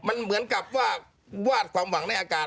มันเหมือนกับว่าวาดความหวังในอากาศ